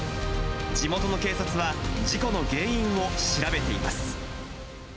地元の警察は、事故の原因を調べています。